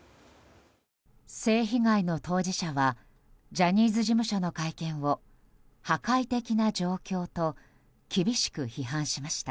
性被害の当事者はジャニーズ事務所の会見を破壊的な状況と厳しく批判しました。